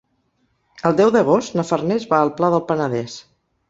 El deu d'agost na Farners va al Pla del Penedès.